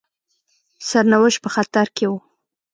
سرنوشت په خطر کې وو.